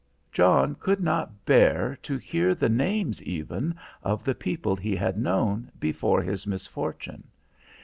John could not bear to hear the names even of the people he had known before his misfortune.